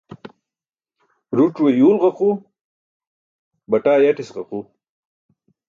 Rucuwe yuwl ġuqu, bataaa yatis ġuqu.